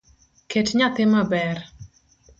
Ket nyathi maber